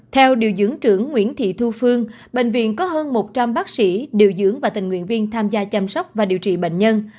theo điều dưỡng trưởng nguyễn thị thu phương bệnh viện có hơn một trăm linh bác sĩ điều dưỡng và tình nguyện viên tham gia chăm sóc và điều trị bệnh nhân